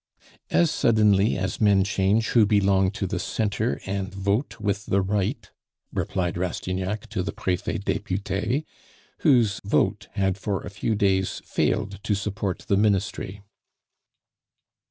"As suddenly as men change who belong to the centre and vote with the right," replied Rastignac to the Prefet Depute, whose vote had for a few days failed to support the Ministry.